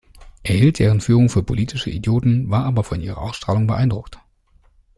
Er hielt deren Führung für politische "Idioten", war aber von ihrer Ausstrahlung beeindruckt.